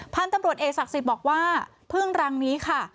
พันธุ์ตำรวจเอกศักดิ์สิทธิ์บอกว่าพึ่งรังนี้ค่ะ